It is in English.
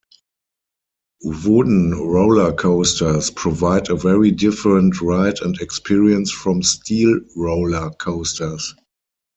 Wooden roller coasters provide a very different ride and experience from steel roller coasters.